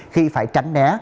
khi phải tránh né